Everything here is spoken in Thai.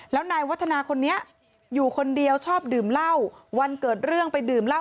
แล้วนายวัฒนาคนนี้อยู่คนเดียวชอบดื่มเหล้าวันเกิดเรื่องไปดื่มเหล้า